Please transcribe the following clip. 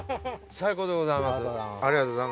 最高でございます。